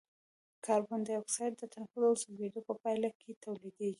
کاربن ډای اکساید د تنفس او سوځیدو په پایله کې تولیدیږي.